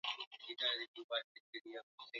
ifaidikie wa populasio wa noor kivu